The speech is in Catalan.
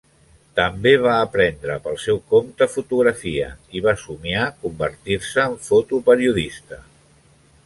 També va aprendre pel seu compte fotografia i va somiar convertir-se en fotoperiodista.